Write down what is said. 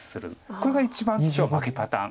これが一番実は負けパターン。